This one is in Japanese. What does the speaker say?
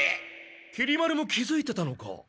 きり丸も気づいてたのか。